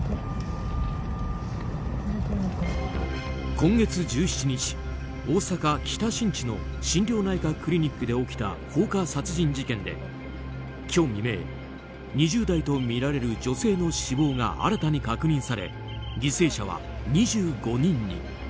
今月１７日、大阪・北新地の心療内科クリニックで起きた放火殺人事件で今日未明２０代とみられる女性の死亡が新たに確認され犠牲者は２５人に。